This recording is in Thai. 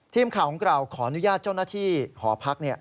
ทีมข่าวของเราขออนุญาตเจ้าหน้าที่หอพัก